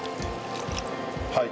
はい。